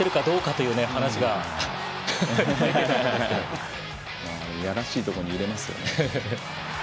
いやらしいところに入れますよね。